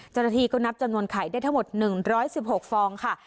จนทีก็นับจำนวนไขได้ทั้งหมด๑๑๖ฟองค่ะ